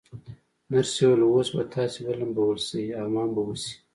نرسې وویل: اوس به تاسي ولمبول شئ، حمام به وشی.